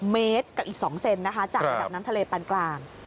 เมตรกับอีก๒เซนนะคะจากระดับน้ำทะเลปานกลาง